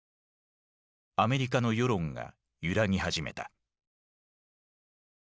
アメリカの世論が揺らぎ始めた。